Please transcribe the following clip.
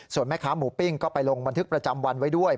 ส่วนแม่ค้าหมูปิ้งก็ไปลงบันทึกประจำวันไว้ด้วย